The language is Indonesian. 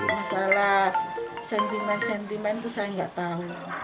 masalah sentimen sentimen itu saya nggak tahu